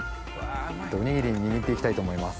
おにぎりににぎって行きたいと思います。